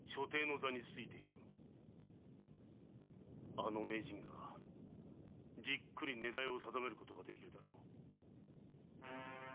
あの名人はじっくり狙いを定めることができるだろう。